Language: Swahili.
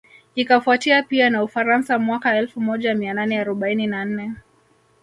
Ikafuatia pia na Ufaransa mwaka elfu moja mia nane arobaini na nne